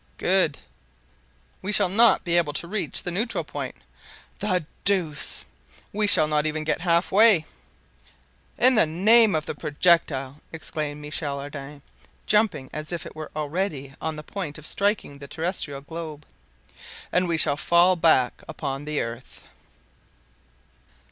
"Good." "We shall not be able to reach the neutral point." "The deuce!" "We shall not even get halfway." "In the name of the projectile!" exclaimed Michel Ardan, jumping as if it was already on the point of striking the terrestrial globe. "And we shall fall back upon the earth!"